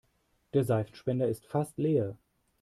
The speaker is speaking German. Der Seifenspender ist fast leer.